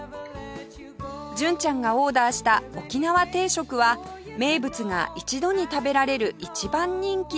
純ちゃんがオーダーした沖縄定食は名物が一度に食べられる一番人気です